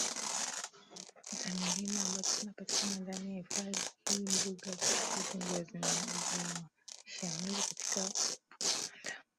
za milima ambazo zinapatikana ndani ya hifadhi hiiMbuga za wazi ndizo zinazoshamiri katika uwanda